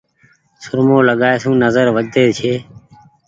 سرمو لگآئي سون نزر وڌي ڇي۔